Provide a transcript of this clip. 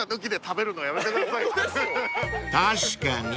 確かにね。